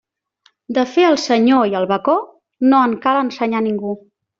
De fer el senyor i el bacó, no en cal ensenyar ningú.